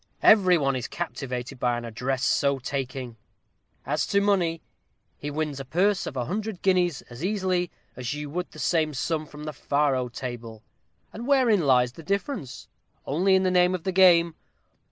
Every one is captivated by an address so taking. As to money, he wins a purse of a hundred guineas as easily as you would the same sum from the faro table. And wherein lies the difference? only in the name of the game.